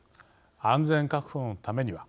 安全確保のためには。